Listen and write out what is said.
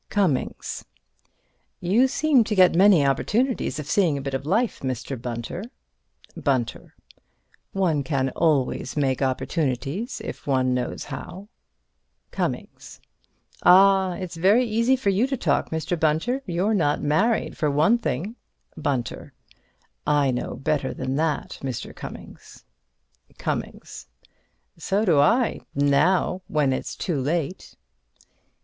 Cummings: You seem to get many opportunities of seeing a bit of life, Mr. Bunter. Bunter: One can always make opportunities if one knows how. Cummings: Ah, it's very easy for you to talk, Mr. Bunter. You're not married, for one thing. Bunter: I know better than that, Mr. Cummings. Cummings: So do I—now, when it's too late.